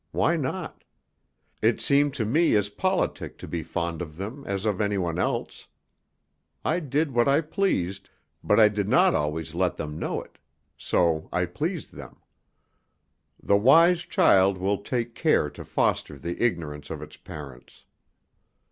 Why not? It seemed to me as politic to be fond of them as of anyone else. I did what I pleased, but I did not always let them know it; so I pleased them. The wise child will take care to foster the ignorance of its parents.